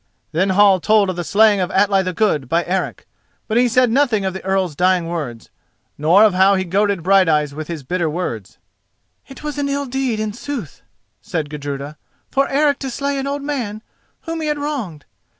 Then Hall told of the slaying of Atli the Good by Eric, but he said nothing of the Earl's dying words, nor of how he goaded Brighteyes with his bitter words. "It was an ill deed in sooth," said Gudruda, "for Eric to slay an old man whom he had wronged.